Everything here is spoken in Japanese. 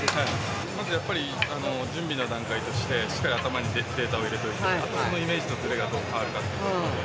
準備の段階としてしっかり頭にデータを入れておいてそのイメージとずれがどう変わるかということですね。